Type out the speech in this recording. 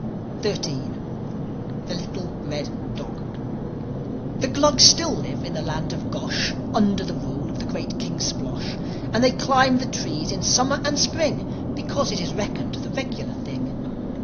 XIII. THE LITTLE RED DOG The Glugs still live in the land of Gosh, Under the rule of the great King Splosh. And they climb the trees in the Summer and Spring, Because it is reckoned the regular thing.